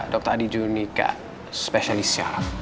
dokter adi junika spesialisial